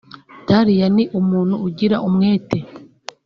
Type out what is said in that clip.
Dalia ni umuntu ugira umwete